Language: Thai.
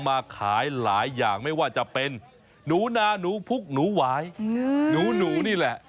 มาขายหลายอย่างไม่ว่าจะเป็นหนูนาหนูพุกหนูหวายหนูนี่แหละ